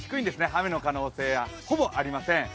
雨の可能性はほぼありません。